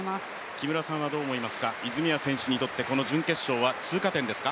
木村さんはどう思いますか、泉谷選手にとってこの準決勝は通過点ですか。